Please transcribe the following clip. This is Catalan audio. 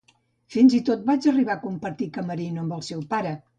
Fins i tot vaig arribar a compartir camerino amb el seu pare.